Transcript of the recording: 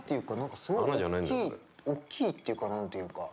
すごい大きいっていうか何て言うか。